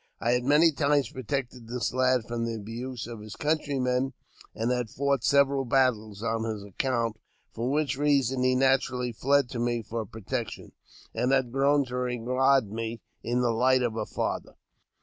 I had many times protected this lad from the abuse of his countrymen, and had fought several battles on his account, for which reason he naturally fled to me for pro tection, and had grown to regard me in the light of a father.